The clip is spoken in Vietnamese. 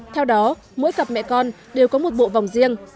theo đó mỗi cặp mẹ con đều có một bộ vòng riêng